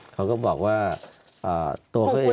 เขาก็บอกว่าตัวเขาเอง